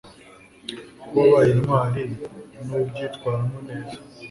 ko wabaye intwari nubyitwaramo neza